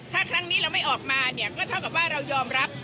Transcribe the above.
ถ้าครั้งนี้เราไม่ออกมาเนี่ยก็เท่ากับว่าเรายอมรับ